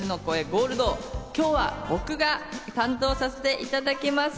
ゴールド、今日は僕が担当させていただきます。